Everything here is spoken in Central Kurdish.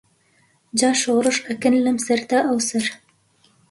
جا شۆڕش ئەکەن لەم سەر تا ئەوسەر